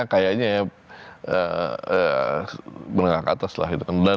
kayaknya menengah ke atas lah